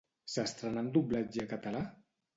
S'estrenà amb doblatge català?